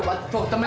ya pak sarman